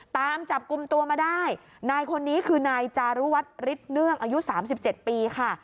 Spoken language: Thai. ตามจับกลุ่มตัวมาได้นายคนนี้คือนายจารุวัฒน์ฤทธิเนื่องอายุ๓๗ปีค่ะ